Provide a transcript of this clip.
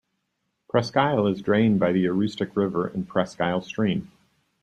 Presque Isle is drained by the Aroostook River and Presque Isle Stream.